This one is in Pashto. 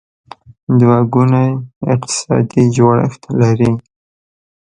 دوه ګونی اقتصادي جوړښت لري.